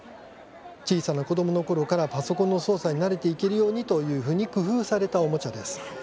小さな子どものころからパソコンの操作に慣れていけるようにというふうに工夫された、おもちゃです。